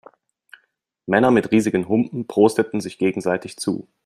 Männer mit riesigen Humpen prosteten sich gegenseitig zu.